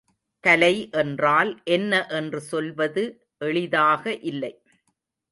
கலை என்றால் என்ன என்று சொல்வது எளிதாக இல்லை.